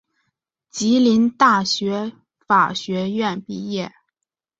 吉林大学法学院毕业。